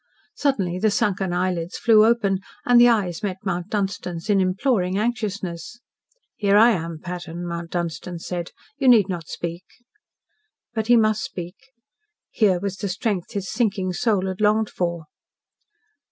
Suddenly the sunken eyelids flew open, and the eyes met Mount Dunstan's in imploring anxiousness. "Here I am, Patton," Mount Dunstan said. "You need not speak." But he must speak. Here was the strength his sinking soul had longed for.